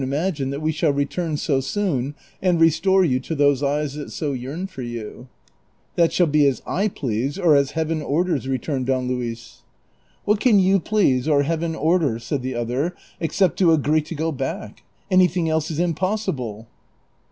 imagine that we shall return so soon and restore you to those eyes that so yearn for yon." '' That shall be as I please, or as Heaven orders," returned Don Luis. " What can you please or Heaven order," said the other, " ex cept to agree to go back ? Anything else is impossible."